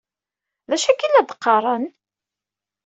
D acu akka ay la d-qqaren?!